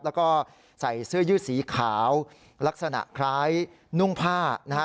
แล้วก็ใส่เสื้อยืดสีขาวลักษณะคล้ายนุ่งผ้านะฮะ